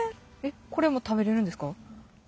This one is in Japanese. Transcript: これも食べれるんですか？